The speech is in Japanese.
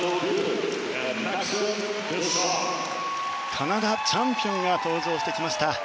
カナダチャンピオンが登場してきました。